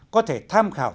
có thể tham khảo